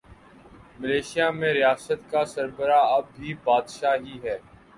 Malaysia میں ریاست کا سربراہ اب بھی بادشاہ ہی ہے۔